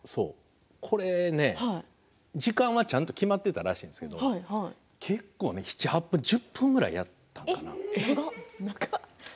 これ時間がちゃんと決まっていたらしいんですけど結構、７、８分１０分ぐらいやったかな。